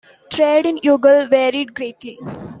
Trade in Youghal varied greatly.